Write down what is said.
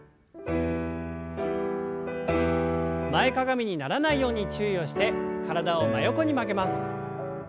前かがみにならないように注意をして体を真横に曲げます。